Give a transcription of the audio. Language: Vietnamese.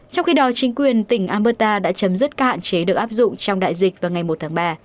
trong khi đó chính quyền tỉnh aberta đã chấm dứt các hạn chế được áp dụng trong đại dịch vào ngày một tháng ba